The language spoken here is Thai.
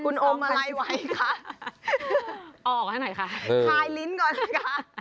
คุณอมอะไรไว้คะออกให้หน่อยค่ะคลายลิ้นก่อนสิคะ